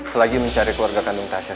selagi mencari keluarga kandung kaca